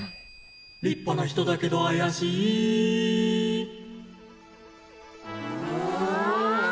「立派な人だけどあやしい」うわ。